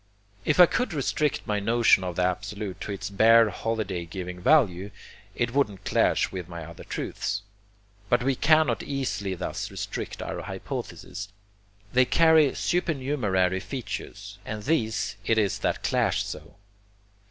If I could restrict my notion of the Absolute to its bare holiday giving value, it wouldn't clash with my other truths. But we cannot easily thus restrict our hypotheses. They carry supernumerary features, and these it is that clash so.